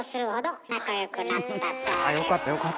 よかったよかった。